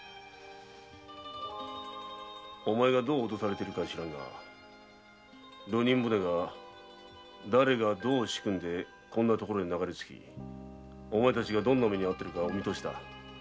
お前がどう脅されているか知らんが流人船がだれがどう仕組んでこんな所に流れ着きお前たちがどんな目に遭っているかはお見通しだ。